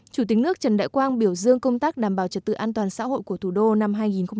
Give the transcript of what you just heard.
chủ tịch nước trần đại quang biểu dương công tác đảm bảo trật tự an toàn xã hội của thủ đô năm hai nghìn hai mươi